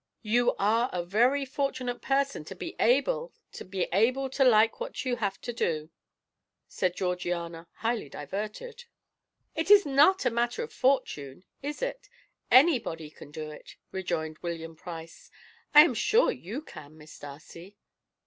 "You are a very fortunate person to be able to be able to like what you have to do," said Georgiana, highly diverted. "It is not a matter of fortune, is it? Anybody can do it," rejoined William Price. "I am sure you can, Miss Darcy."